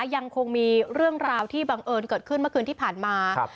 ยังคงมีเรื่องราวที่บังเอิญเกิดขึ้นเมื่อคืนที่ผ่านมา